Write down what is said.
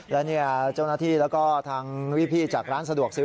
และเจ้าหน้าที่แล้วก็ทางพี่จากร้านสะดวกซื้อ